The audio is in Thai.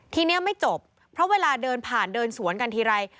ทีนี้ไม่จบเพราะเวลาเดินผ่านเดินสวนกันทีไร